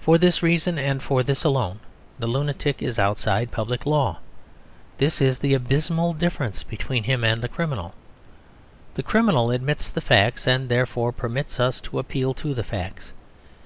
For this reason, and for this alone, the lunatic is outside public law. This is the abysmal difference between him and the criminal. The criminal admits the facts, and therefore permits us to appeal to the facts.